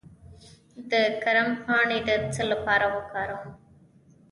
د کرم پاڼې د څه لپاره وکاروم؟